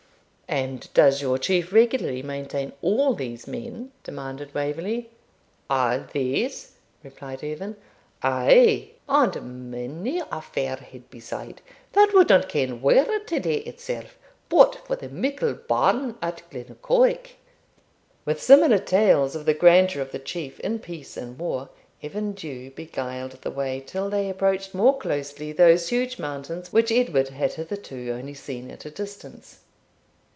'And does your Chief regularly maintain all these men?' demanded Waverley. 'All these?' replied Evan; 'ay, and many a fair head beside, that would not ken where to lay itself, but for the mickle barn at Glennaquoich.' With similar tales of the grandeur of the Chief in peace and war, Evan Dhu beguiled the way till they approached more closely those huge mountains which Edward had hitherto only seen at a distance.